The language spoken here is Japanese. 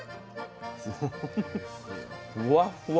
ふわっふわ。